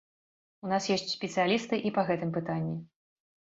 У нас ёсць спецыялісты і па гэтым пытанні.